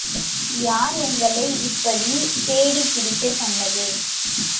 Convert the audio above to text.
யார் உங்களை இப்படித் தேடிப்பிடிக்கச் சொன்னது?